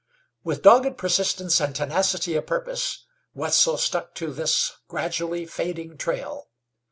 With dogged persistence and tenacity of purpose Wetzel stuck to this gradually fading trail.